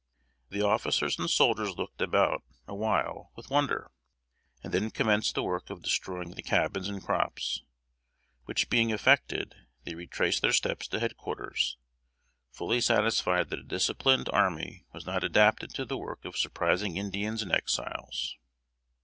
The officers and soldiers looked about a while with wonder, and then commenced the work of destroying the cabins and crops, which being effected, they retraced their steps to head quarters, fully satisfied that a disciplined army was not adapted to the work of surprising Indians and Exiles.